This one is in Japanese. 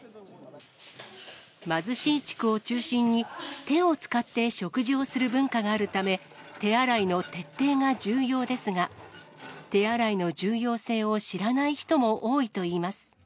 貧しい地区を中心に、手を使って食事をする文化があるため、手洗いの徹底が重要ですが、手洗いの重要性を知らない人も多いといいます。